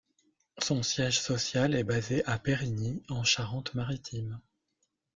Son siège social est basé à Périgny en Charente-Maritime.